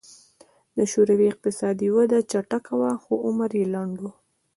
د شوروي اقتصادي وده چټکه وه خو عمر یې لنډ و